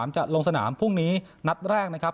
จะลงสนามพรุ่งนี้นัดแรกนะครับ